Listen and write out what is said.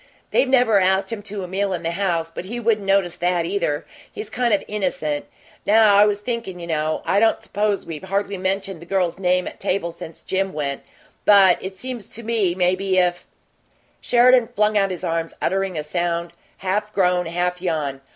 They've never asked him to a meal in the house, but he wouldn't notice that, either he's kind of innocent. Now I was thinkin' you know, I don't suppose we've hardly mentioned the girl's name at table since Jim went, but it seems to me maybe if " Sheridan flung out his arms, uttering a sound half groan, half yawn.